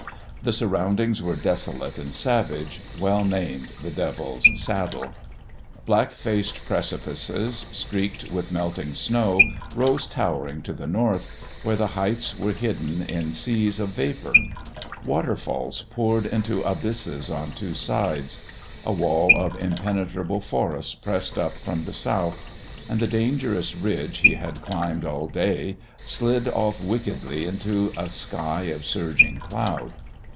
The surroundings were desolate and savage, well named the Devil's Saddle. Black faced precipices, streaked with melting snow, rose towering to the north, where the heights were hidden in seas of vapour; waterfalls poured into abysses on two sides; a wall of impenetrable forest pressed up from the south; and the dangerous ridge he had climbed all day slid off wickedly into a sky of surging cloud.